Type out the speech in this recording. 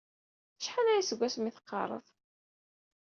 Acḥal aya seg asmi i teqqaṛeḍ?